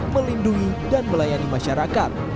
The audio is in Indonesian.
melindungi dan melayani masyarakat